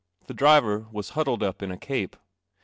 The driver was huddled up in a cape.